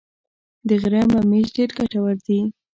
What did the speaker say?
د غره ممیز ډیر ګټور دي